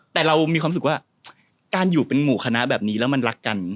แต่เรามีความรู้สึกว่าการอยู่เป็นหมู่คณะแบบนี้แล้วมันรักกัน